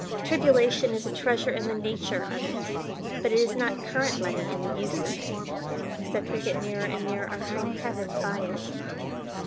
Tribulation is treasure in the nature of it, but it is not current money in the use of it, except we get nearer and nearer our home, heaven, by it.